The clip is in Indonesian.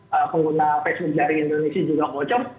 data lima ratus pengguna facebook dari indonesia juga bocor